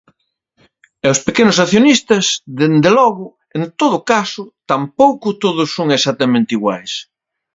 E os pequenos accionistas, dende logo, en todo caso, tampouco todos son exactamente iguais.